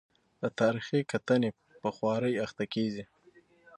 د تاریخي کتنې په خوارۍ اخته کېږي.